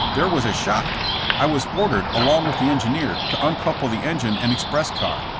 There was a shot. I was or dered, along with the engineer, to uncouple the en gine and express car.